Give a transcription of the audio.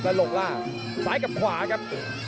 แล้วลงล่างซ้ายกับขวาครับ